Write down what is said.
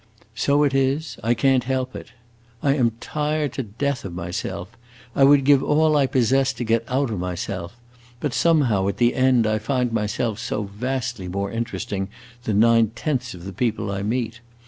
So it is, I can't help it. I am tired to death of myself; I would give all I possess to get out of myself; but somehow, at the end, I find myself so vastly more interesting than nine tenths of the people I meet.